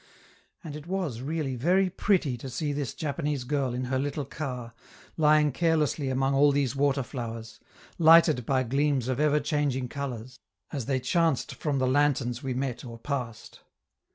And it was really very pretty to see this Japanese girl in her little car, lying carelessly among all these water flowers, lighted by gleams of ever changing colors, as they chanced from the lanterns we met or passed.